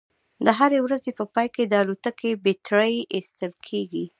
د هرې ورځې په پای کې د الوتکې بیټرۍ ایستل کیږي